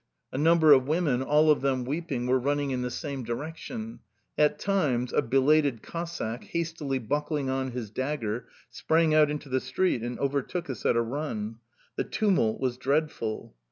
A number of women, all of them weeping, were running in the same direction; at times a belated Cossack, hastily buckling on his dagger, sprang out into the street and overtook us at a run. The tumult was dreadful.